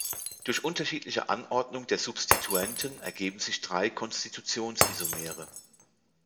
Durch unterschiedliche Anordnung der Substituenten ergeben sich drei Konstitutionsisomere.